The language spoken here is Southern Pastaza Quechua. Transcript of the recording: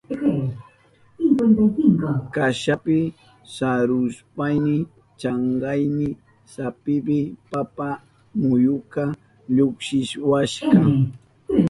Kashapi sarushpayni chankayni sapipi papa muyuka llukshiwashka.